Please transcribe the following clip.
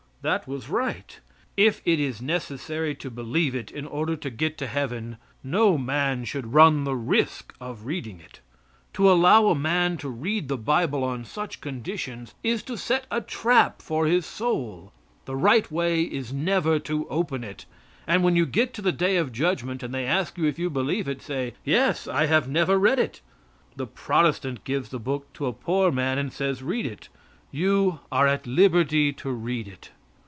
That was right. If it is necessary to believe it in order to get to heaven no man should run the risk of reading it. To allow a man to read the bible on such conditions is to set a trap for his soul. The right way is never to open it, and when you get to the day of judgment, and they ask you if you believe it say "Yes, I have never read it." The Protestant gives the book to a poor man and says: "Read it. You are at liberty to read it."